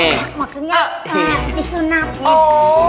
maksudnya di sunap